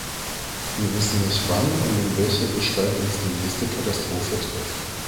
Wir wissen nicht, wann und in welcher Gestalt uns die nächste Katastrophe trifft.